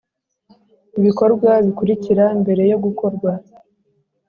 Ibikorwa bikurikira mbere yo gukorwa